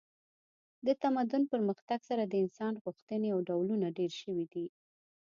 د تمدن پرمختګ سره د انسان غوښتنې او ډولونه ډیر شوي دي